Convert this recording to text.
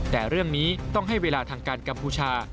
แต่เรื่องนี้ต้องให้เวลาทางการกัมพูชา